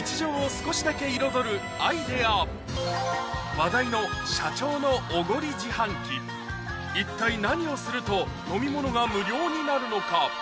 話題の一体何をすると飲み物が無料になるのか？